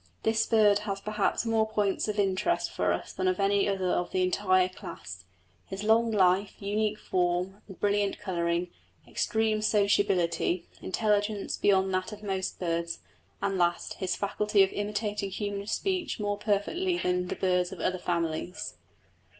This bird has perhaps more points of interest for us than any other of the entire class: his long life, unique form, and brilliant colouring, extreme sociability, intelligence beyond that of most birds, and, last, his faculty of imitating human speech more perfectly than the birds of other families.